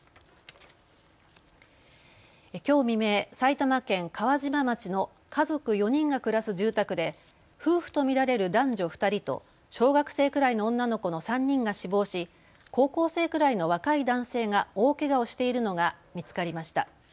きょう未明、埼玉県川島町の家族４人が暮らす住宅で夫婦と見られる男女２人と小学生くらいの女の子の３人が死亡し高校生くらいの若い男性が大けがをしているのが見つかりました。